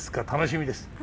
楽しみです。